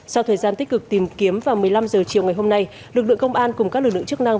sau thời gian tích cực tìm kiếm vào một mươi năm h chiều ngày hôm nay lực lượng công an cùng các lực lượng chức năng